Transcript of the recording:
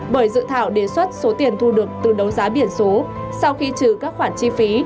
bởi dự thảo đề xuất số tiền thu được từ đấu giá biển số sau khi trừ các khoản chi phí